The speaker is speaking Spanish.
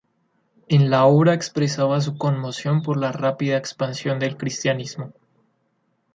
En la obra expresaba su conmoción por la rápida expansión del cristianismo.